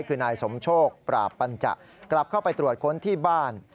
คือนายสมโชคปราบปัญจกลับเข้าไปตรวจค้นที่บ้าน